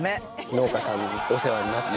「農家さんにお世話になって」